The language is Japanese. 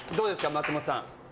松本さん。